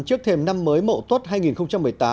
trước thềm năm mới mậu tuất hai nghìn một mươi tám